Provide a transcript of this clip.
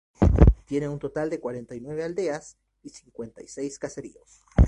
Tiene un total de nueve aldeas y cincuenta y seis caseríos.